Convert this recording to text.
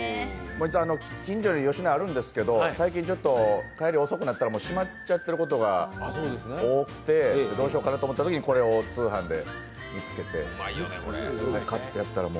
近所に吉野家あるんですけど、最近は帰りが遅くなったら閉まっちゃってることが多くて、どうしようかなと思ったときにこれを通販で見つけて。